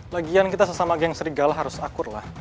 lagian kita sesama geng serigala harus akur lah